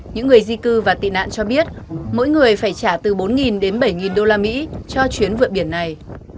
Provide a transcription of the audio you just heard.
những người di cư và tị nạn cho biết mỗi người phải trả từ bốn đến bảy đô la mỹ cho chuyến vượt biển này